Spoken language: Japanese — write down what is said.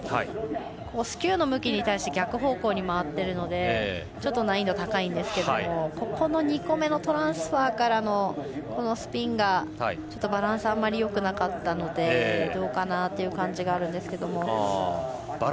スキューの向きに対して逆方向に回っているのでちょっと難易度高いんですけどここの２個目のトランスファーからのスピンがバランスあんまりよくなかったのでどうかなっていう感じがあるんですけど。